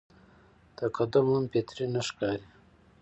تقدم هم فطري نه ښکاري.